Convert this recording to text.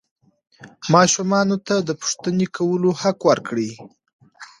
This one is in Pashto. ماشومانو ته د پوښتنې کولو حق ورکړئ.